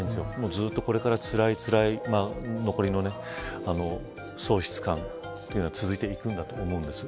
ずっとこれから、つらいつらい残りの喪失感というのが続いていくんだと思うんです。